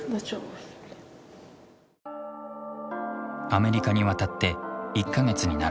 アメリカに渡って１か月になる。